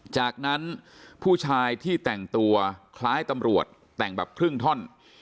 จากนั้นผู้ชายที่แต่งตัวคล้ายตำรวจแต่งแบบครึ่งท่อน